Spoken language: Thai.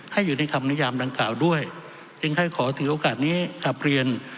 ให้อยู่ในคำนิยามดังกล่าวด้วยจึงให้ขอถือโอกาสนี้กลับเรียน